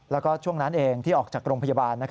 แล้วก็ช่วงนั้นเองที่ออกจากโรงพยาบาล